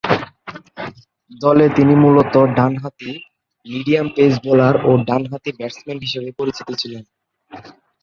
দলে তিনি মূলতঃ ডানহাতি মিডিয়াম-পেস বোলার ও ডানহাতি ব্যাটসম্যান হিসেবে পরিচিত ছিলেন।